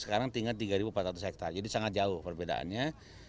sekarang tinggal tiga empat ratus hektare jadi sangat jauh perbedaannya